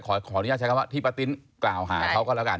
ขออนุญาตใช้คำว่าที่ป้าติ้นกล่าวหาเขาก็แล้วกัน